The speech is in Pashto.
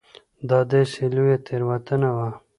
دا داسې لویه تېروتنه وه.